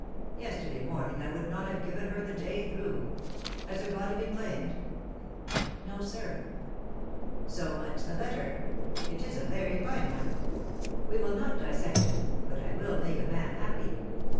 Yesterday morning I would not have given her the day through. Has her body been claimed?" "No, sir." "So much the better. It is a very fine one; we will not dissect it, but I will make a man happy."